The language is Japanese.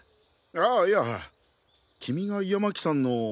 あいや君が山喜さんの。